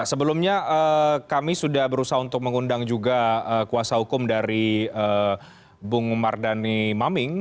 sebelumnya kami sudah berusaha untuk mengundang juga kuasa hukum dari bung mardhani maming